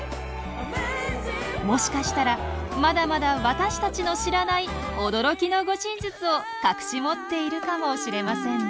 もしかしたらまだまだ私たちの知らない驚きの護身術を隠し持っているかもしれませんね。